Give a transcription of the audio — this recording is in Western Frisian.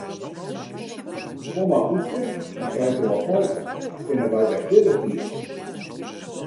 Kom mar poeske, dan krijsto wat molke en dan kinne wy wer fierder sliepe.